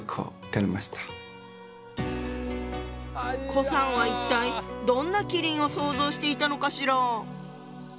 顧さんは一体どんな麒麟を想像していたのかしら？